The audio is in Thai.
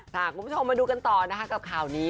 คุณผู้ชมมาดูกันต่อนะคะกับข่าวนี้